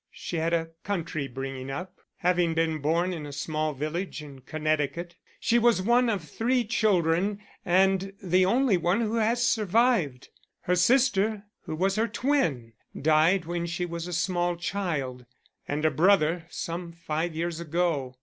She had a country bringing up, having been born in a small village in Connecticut. She was one of three children and the only one who has survived; her sister, who was her twin, died when she was a small child, and a brother some five years ago.